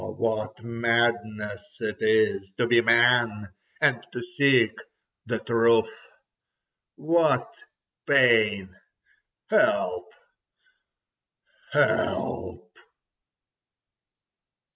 what madness it is—to be man and to seek the truth! What pain! Help! Help!